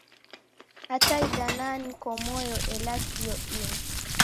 Hata idana nko moyo ela sio ini.